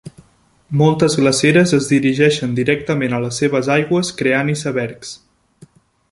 Moltes glaceres es dirigeixen directament a les seves aigües creant icebergs.